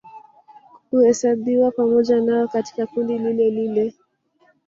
Huhesabiwa pamoja nao katika kundi lilelile